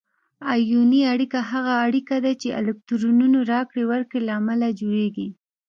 آیوني اړیکه هغه اړیکه ده چې د الکترونونو راکړې ورکړې له امله جوړیږي.